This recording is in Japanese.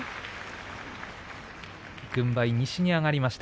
軍配、西に上がりました。